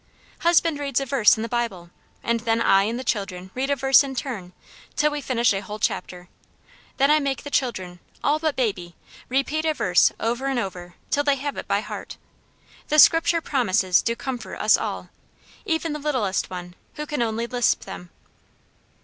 Husband reads a verse in the Bible, and then I and the children read a verse in turn, till we finish a whole chapter. Then I make the children, all but baby, repeat a verse over and over till they have it by heart; the Scripture promises do comfort us all, even the littlest one who can only lisp them.